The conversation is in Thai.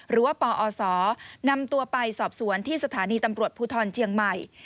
หรือว่าปอศนำตัวไปสอบสวนที่สถานีตำรวจผู้ทอนเชียงใหม่